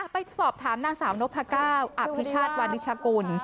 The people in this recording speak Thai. ไปสอบถามนางสาวนกพระเก้าอัพพิชาติวัณฑิชกุล